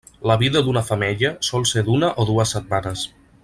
La vida d'una femella sol ser d'una o dues setmanes.